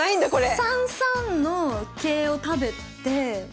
３三の桂を食べて。